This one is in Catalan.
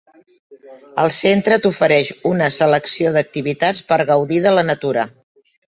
El centre t'ofereix una selecció d'activitats per gaudir de la natura.